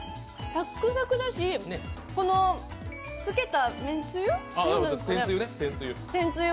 サクサクだし、つけためんつゆ？